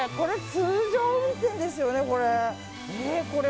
通常運転ですよね、これ。